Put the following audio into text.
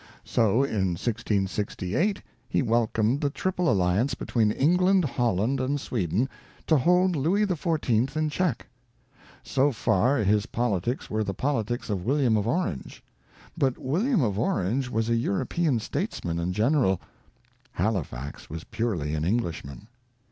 So, in 1668, he wel comed the Triple Alliance between England, Holland, and Sweden, to hold Louis XIV in check. So far, his politics were the politics of William of Orange. But William of Orange was a European statesman and general ; Halifax was purely an Englishman.